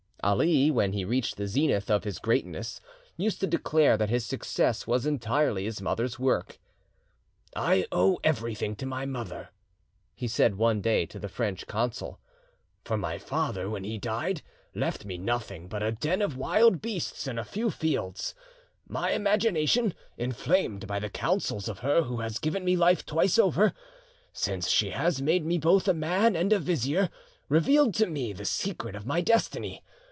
Ali, when he reached the zenith of his greatness, used to declare that his success was entirely his mother's work. "I owe everything to my mother," he said one day to the French Consul; "for my father, when he died, left me nothing but a den of wild beasts and a few fields. My imagination, inflamed by the counsels of her who has given me life twice over, since she has made me both a man and a vizier, revealed to me the secret of my destiny.